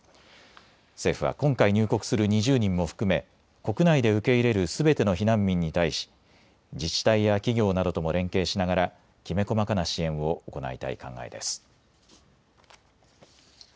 政府は今回入国する２０人も含め国内で受け入れるすべての避難民に対し自治体や企業などとも連携しながらきめ細かな支援を行いたい考えです。